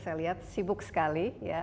saya lihat sibuk sekali ya